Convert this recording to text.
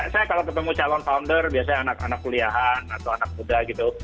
saya kalau ketemu calon founder biasanya anak anak kuliahan atau anak muda gitu